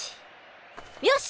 よし！